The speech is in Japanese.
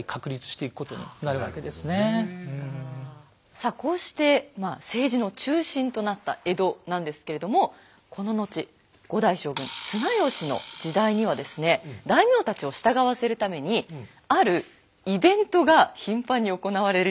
さあこうして政治の中心となった江戸なんですけれどもこの後５代将軍綱吉の時代にはですね大名たちを従わせるためにあるイベントが頻繁に行われるようになるんです。